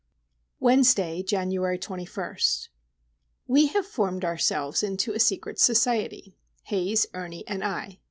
Wednesday, January 21. We have formed ourselves into a secret society,—Haze, Ernie, and I.